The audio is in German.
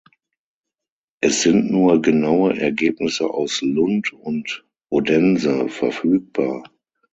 Es sind nur genaue Ergebnisse aus Lund und Odense verfügbar.